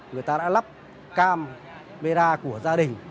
người ta đã lắp cam camera của gia đình